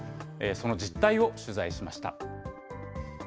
その実態を取材しました。